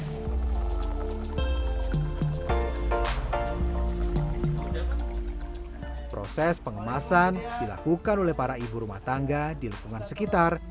yang diperlukan oleh ibu rumah tangga di lukungan sekitar yang diperlukan oleh ibu rumah tangga di lukungan sekitar